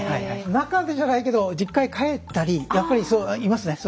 中でじゃないけど実家へ帰ったりやっぱりいますね。